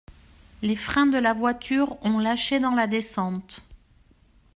Les freins de la voiture ont lâché dans la descente.